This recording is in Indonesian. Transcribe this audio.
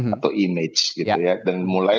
atau image gitu ya dan mulai